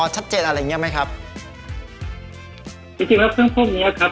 ชัดเจนอะไรอย่างเงี้ไหมครับจริงจริงแล้วเครื่องพวกเนี้ยครับ